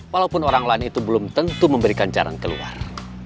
walaupun orang lain itu belum tentu memberikan jarang keluar